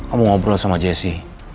om mau ngobrol sama jessi